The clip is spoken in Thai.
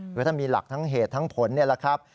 เธอจะมีหลักทั้งเหตุทั้งผลนี้ล่ะครับ